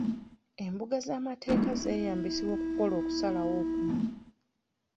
Embuga z'amateeka zeeyambisibwa okukola okusalawo okumu.